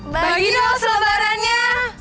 bagi dong selebarannya